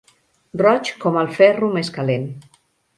Roig com el ferro més calent.